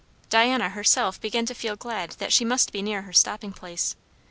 Diana herself began to feel glad that she must be near her stopping place.